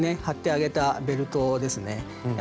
貼ってあげたベルトですね。